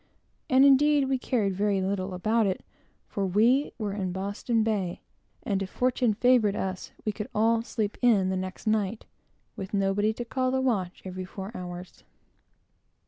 And, indeed, we cared very little about it, for we were in Boston Bay; and if fortune favored us, we could all "sleep in" the next night, with nobody to call the watch every four hours.